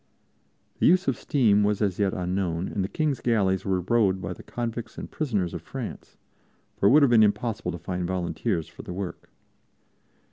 The use of steam was as yet unknown, and the King's galleys were rowed by the convicts and prisoners of France, for it would have been impossible to find volunteers for the work.